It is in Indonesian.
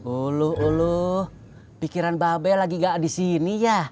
uluh uluh pikiran babel lagi gak disini ya